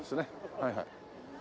はいはい。